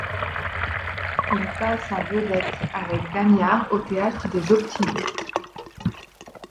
Il passe en vedette avec Damia au théâtre des Optimistes.